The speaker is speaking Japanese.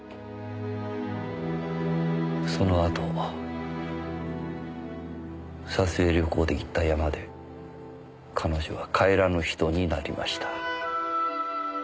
そのあと撮影旅行で行った山で彼女は帰らぬ人になりました。